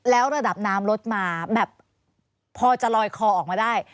แล้วระดับน้ำลดมาแบบพอจะลอยคอออกมาได้